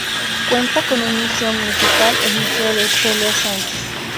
Cuenta con un museo municipal, el museo de Celia Sánchez.